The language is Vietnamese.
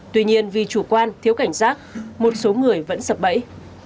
tuy nhiên vì chủ quan thiếu cảnh giác một số người vẫn sập bẫy